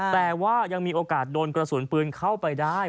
แต่ว่ายังมีโอกาสโดนกระสุนปืนเข้าไปได้